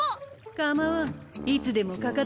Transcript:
構わんいつでもかかってこい。